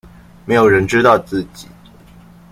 沒有人知道自己